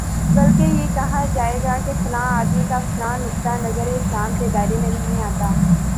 بلکہ یہ کہا جائے گا کہ فلاں آدمی کا فلاں نقطۂ نظر اسلام کے دائرے میں نہیں آتا